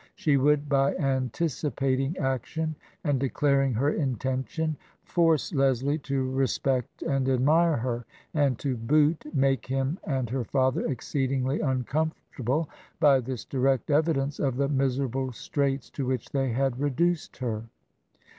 She would, by anticipating action and declaring her intention, force 68 TRANSITION. Leslie to respect and admire her, and, to boot, make him and her father exceedingly uncomfortable by this direct evidence of the miserable straits to which they had reduced her.